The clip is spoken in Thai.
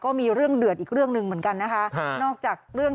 ก็มีเรื่องเดือดอีกเรื่องหนึ่งเหมือนกันนะคะนอกจากเรื่อง